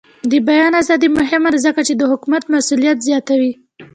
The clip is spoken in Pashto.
د بیان ازادي مهمه ده ځکه چې د حکومت مسؤلیت زیاتوي.